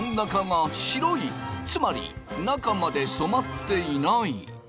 つまり中まで染まっていない。